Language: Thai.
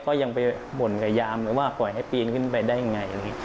ก็ยังไปบ่นกับยามเลยว่าปล่อยให้ปีนขึ้นไปได้ยังไง